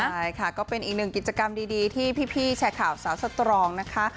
ใช่ค่ะก็เป็นอีกหนึ่งกิจกรรมดีที่พี่แชร์ข่าวสาวสตรองนะคะ